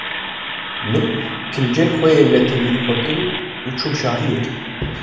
Min kincên xwe yên netewî li xwe kirin û çûm şahiyê.